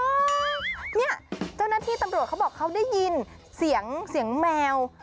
เจ้าหน้าที่ตำรวจเขาบอกเขาได้ยินเสียงแมว